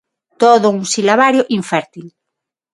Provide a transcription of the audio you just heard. Todo un silabario infértil.